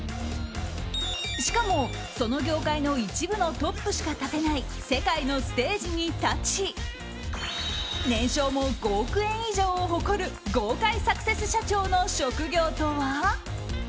しかも、その業界の一部のトップしか立てない世界のステージに立ち年商も５億円以上を誇る豪快サクセス社長の職業とは？